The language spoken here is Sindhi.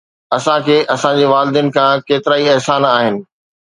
اسان کي اسان جي والدين کان ڪيترائي احسان آهن